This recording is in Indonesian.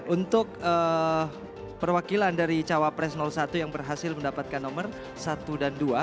untuk perwakilan dari cawapres satu yang berhasil mendapatkan nomor satu dan dua